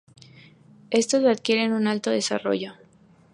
Estos adquieren un alto desarrollo.